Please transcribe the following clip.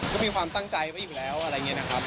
ก็มีความตั้งใจไว้อยู่แล้วอะไรอย่างนี้นะครับ